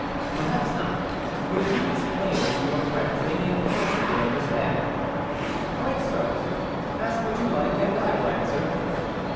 " Perhaps not, but if you explain it to your friends, they may possibly under stand." " Quite so ! ask what you like and I will answer."